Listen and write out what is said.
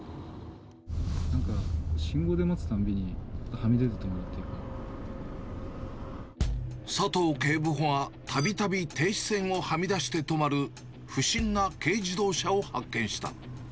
なんか、信号で待つたんびに、佐藤警部補が、たびたび停止線をはみ出して止まる、不審な軽自動車を発見した。